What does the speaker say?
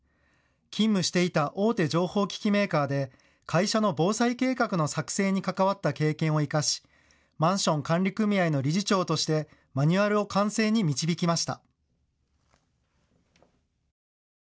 勤務していた大手情報機器メーカーで会社の防災計画の作成に関わった経験を生かし、マンション管理組合の理事長としてマニュアルを完成に導きました。